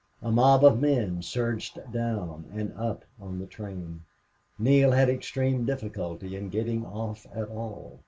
A mob of men surged down and up on the train. Neale had extreme difficulty in getting off at all.